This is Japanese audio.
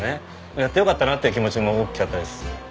やってよかったなっていう気持ちも大きかったです。